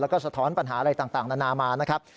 แล้วก็สะท้อนปัญหาอะไรต่างนานามานะครับ